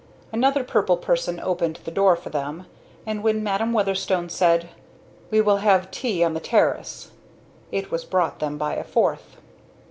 Another purple person opened the door for them, and when Madam Weatherstone said, "We will have tea on the terrace," it was brought them by a fourth.